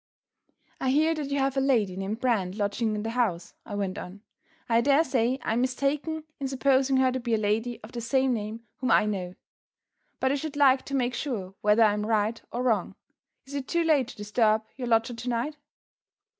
"I hear that you have a lady named Brand lodging in the house," I went on. "I dare say I am mistaken in supposing her to be a lady of the same name whom I know. But I should like to make sure whether I am right or wrong. Is it too late to disturb your lodger to night?"